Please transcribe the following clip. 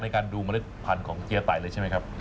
การดูเมล็ดพันธุ์ของเจียไต่เลยใช่ไหมครับ